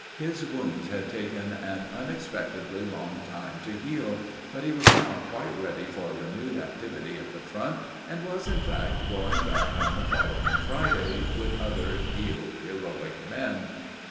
His wounds had taken an unexpectedly long time to heal, but he was now quite ready for renewed activity at the Front, and was, in fact, going back on the following Friday with other healed, heroic men.